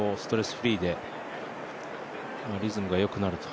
フリーでリズムがよくなると。